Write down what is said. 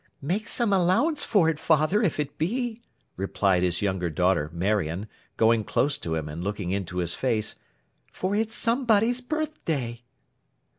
'Make some allowance for it, father, if it be,' replied his younger daughter, Marion, going close to him, and looking into his face, 'for it's somebody's birth day.